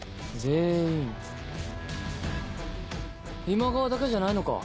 今川だけじゃないのか。